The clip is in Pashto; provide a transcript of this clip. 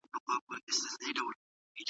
فرد بايد خپله ونډه ادا کړي.